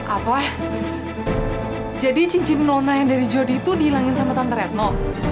apa jadi cincin nona yang dari jody itu dihilangin sama tante retno